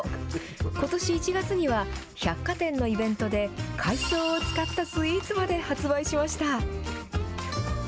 ことし１月には、百貨店のイベントで、海藻を使ったスイーツまで発売しました。